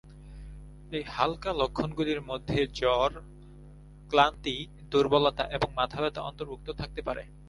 এই হালকা লক্ষণগুলির মধ্যে জ্বর, ক্লান্তি, দুর্বলতা এবং মাথাব্যথা অন্তর্ভুক্ত থাকতে পারে।